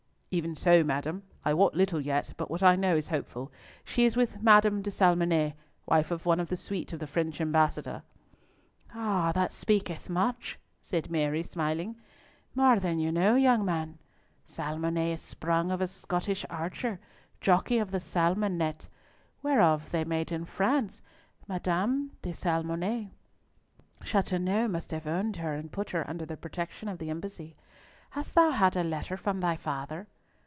"Even so, madam. I wot little yet, but what I know is hopeful. She is with Madame de Salmonnet, wife of one of the suite of the French Ambassador." "Ah! that speaketh much," said Mary, smiling, "more than you know, young man. Salmonnet is sprung of a Scottish archer, Jockie of the salmon net, whereof they made in France M. de Salmonnet. Chateauneuf must have owned her, and put her under the protection of the Embassy. Hast thou had a letter from thy father?"